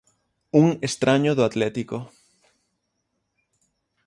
Un estraño do Atlético.